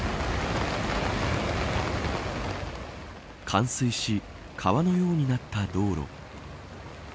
冠水し、川のようになった道路。